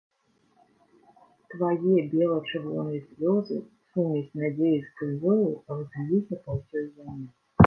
Твае бела-чырвоныя слёзы — сумясь надзеі з крывёю — разліліся па ўсёй зямлі!